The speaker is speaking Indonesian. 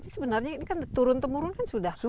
sebenarnya ini kan turun temurun kan sudah